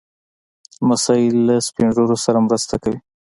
لمسی له سپين ږیرو سره مرسته کوي.